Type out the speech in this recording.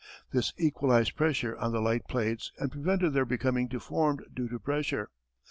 This equalized pressure on the light plates and prevented their becoming deformed due to pressure.